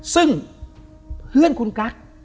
ซึ่งเพื่อนคุณกั๊ก